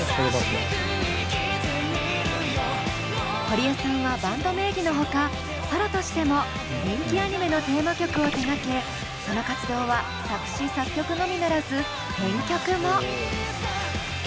堀江さんはバンド名義のほかソロとしても人気アニメのテーマ曲を手がけその活動は作詞作曲のみならず編曲も。